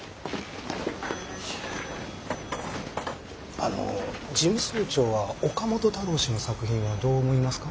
あの事務総長は岡本太郎氏の作品はどう思いますか？